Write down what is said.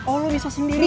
oh lo bisa sendiri